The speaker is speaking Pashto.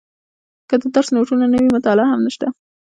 که د درس نوټونه نه وي مطالعه هم نشته.